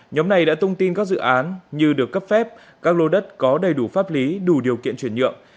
nhóm này đã tung tin các dự án như được cấp phép các lô đất có đầy đủ pháp lý đủ điều kiện chuyển nhượng